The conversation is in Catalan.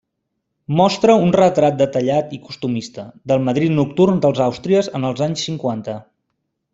Mostra un retrat detallat i costumista, del Madrid nocturn dels Àustries en els anys cinquanta.